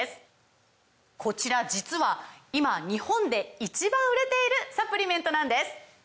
こちら実は今日本で１番売れているサプリメントなんです！